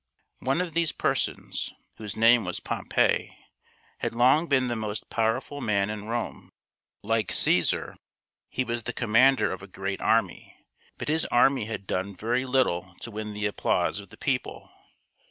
One of these persons, whose name was Pompey, had long been the most powerful man in Rome. Like C^sar, he was the commander of a great army ; but his army had done very little to win the ap plause of the people.